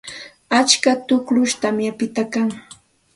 Atska tukllum tamyaptin kan.